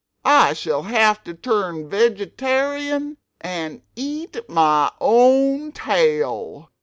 I shall have to turn vegetarian and eat my own tail!"